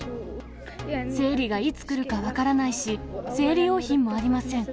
生理がいつ来るか分からないし、生理用品もありません。